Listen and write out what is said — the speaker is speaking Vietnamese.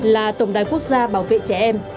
một trăm một mươi một là tổng đài quốc gia bảo vệ trẻ em